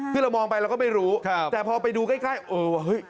คือเรามองไปเราก็ไม่รู้แต่พอไปดูใกล้เออเฮ้ย